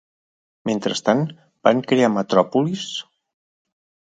Mentrestant, van crear metròpolis?